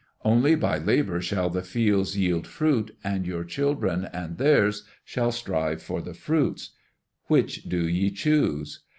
Only by labor shall the fields yield fruit, and your children and theirs shall strive for the fruits. Which do ye choose?"